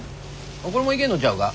これもいけんのちゃうか？